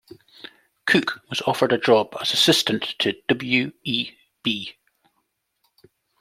Cooke was offered a job as assistant to W. E. B.